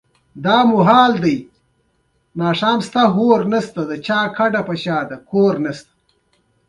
ایا ستاسو تجربه نورو ته درس نه دی؟